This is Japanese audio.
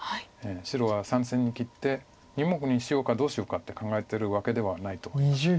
白は３線に切って２目にしようかどうしようかって考えてるわけではないと思います。